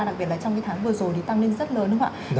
đặc biệt là trong những tháng vừa rồi thì tăng lên rất lớn đúng không ạ